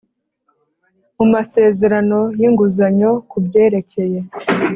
mu masezerano y inguzanyo ku byerekeye